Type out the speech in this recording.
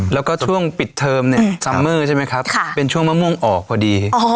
แล้วก็ช่วงปิดเทมเนี้ยเจ้าไม่ครับค่ะเป็นช่วงมาม่วงออกพอดีอ๋อ